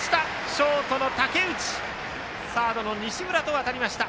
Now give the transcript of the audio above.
ショートの竹内からサードの西村と渡りました。